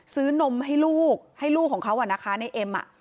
นมให้ลูกให้ลูกของเขาอ่ะนะคะในเอ็ม